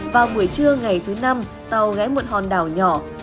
vào buổi trưa ngày thứ năm tàu ghé một hòn đảo nhỏ